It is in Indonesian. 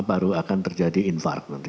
baru akan terjadi infark nanti